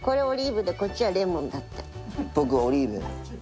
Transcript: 僕オリーブ。